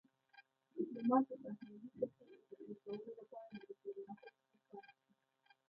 ډيپلومات دبهرني سیاست د تطبيق کولو لپاره د ډيپلوماسی څخه کار اخلي.